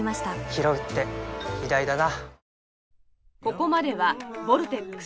ひろうって偉大だな